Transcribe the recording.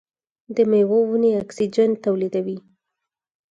د میوو ونې اکسیجن تولیدوي.